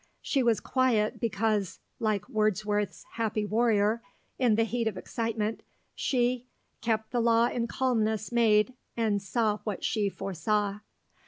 She was quiet because, like Wordsworth's Happy Warrior, in the heat of excitement, she "kept the law in calmness made, and saw what she foresaw."